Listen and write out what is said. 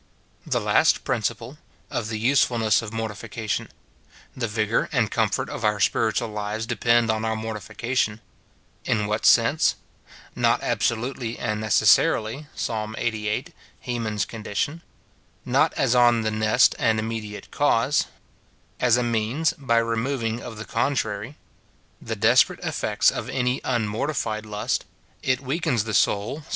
The last principle; of the usefulness of mortification — The vigour and comfort of our spiritual lives depend on our mortification — In what sense — Not absolutely and necessarily; Psa. Issxviii., Ileman's condition — Not as on the nest and immediate cause — As a means ; by removing of the contrary — The desperate efTects of any unmortified lust ; it weakens the soul, Psa.